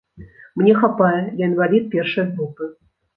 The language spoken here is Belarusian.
Мне хапае, я інвалід першай групы.